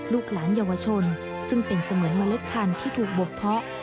ลูกหลานเยาวชนซึ่งเป็นเสมือนเมล็ดพันธุ์ที่ถูกบดเพาะ